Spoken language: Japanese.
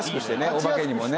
お化けにもね。